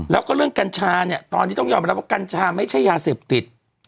แล้วก็เรื่องกัญชาเนี่ยตอนนี้ต้องยอมรับว่ากัญชาไม่ใช่ยาเสพติด